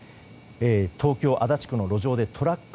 東京・足立区の路上でトラック